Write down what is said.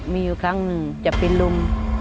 มีอยู่ครั้งหนึ่งจะเป็นลม